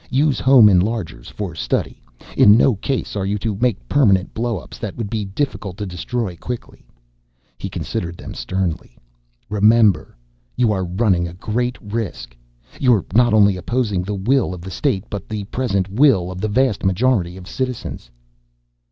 Use home enlargers for study. In no case are you to make permanent blowups that would be difficult to destroy quickly." He considered them sternly. "Remember, you are running a great risk. You're not only opposing the will of the state but the present will of the vast majority of citizens."